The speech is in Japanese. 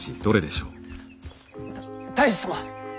た太守様！